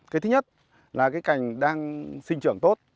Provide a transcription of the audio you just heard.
cái thứ nhất là cái cành đang sinh trưởng tốt